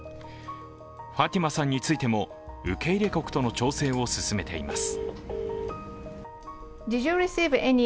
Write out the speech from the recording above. ファティマさんについても受け入れ国との調整を進めています。